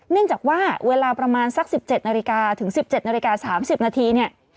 เนื่องจากว่าเวลาประมาณสัก๑๗นาฬิกาถึง๑๗นาฬิกา๓๐นาทีเนี่ย